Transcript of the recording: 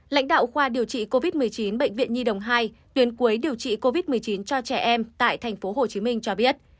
lãnh đạo khoa điều trị covid một mươi chín bệnh viện nhi đồng hai tuyến cuối điều trị covid một mươi chín cho trẻ em tại tp hcm cho biết